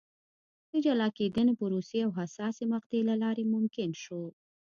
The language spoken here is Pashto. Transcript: د جلا کېدنې پروسې او حساسې مقطعې له لارې ممکن شو.